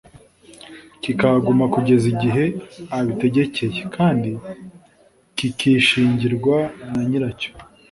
kikahaguma kugeza igihe abitegekeye kandi kikishingirwa na nyiracyo